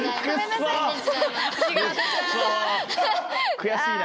悔しいな。